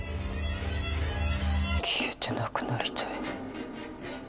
消えてなくなりたい